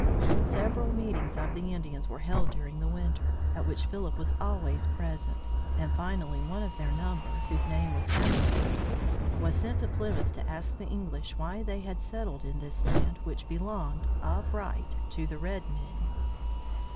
Several meetings of the Indians were held during the winter, at which Philip was always present, and finally one of their number, whose name was Samoset, was sent to Plymouth to ask the English why they had settled in this land which belonged, of right, to the red men.